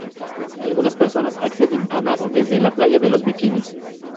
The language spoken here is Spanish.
Algunas personas acceden a nado desde la playa de los Bikinis.